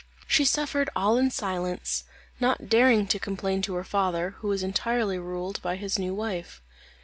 She suffered all in silence, not daring to complain to her father, who was entirely ruled by his new wife.